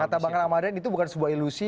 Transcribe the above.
kata bang ramadhan itu bukan sebuah ilusi